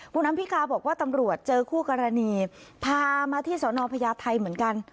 คุณอำพิกาบอกว่าตำรวจเจอคู่กรณีพามาที่สนพญาไทยเหมือนกัน